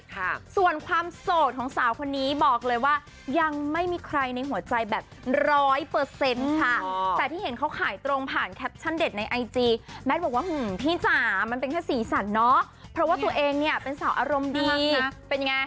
ค่ะส่วนความโสดของสาวคนนี้บอกเลยว่ายังไม่มีใครในหัวใจแบบร้อยเปอร์เซ็นต์ค่ะแต่ที่เห็นเขาขายตรงผ่านแคปชั่นเด็ดในไอจีแมทบอกว่าหือพี่จ๋ามันเป็นแค่สีสันเนาะเพราะว่าตัวเองเนี่ยเป็นสาวอารมณ์ดีเป็นไง